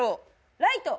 ライト？